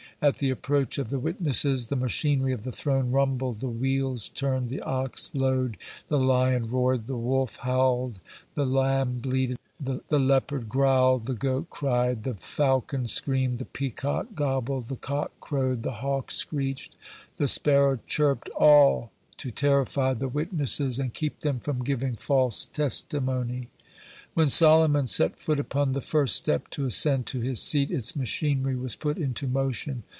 At the approach of the witnesses, the machinery of the throne rumbled the wheels turned, the ox lowed, the lion roared, the wolf howled, the lamb bleated, the leopard growled, the goat cried, the falcon screamed, the peacock gobbled, the cock crowed, the hawk screeched, the sparrow chirped all to terrify the witnesses and keep them from giving false testimony. When Solomon set foot upon the first step to ascend to his seat, its machinery was put into motion.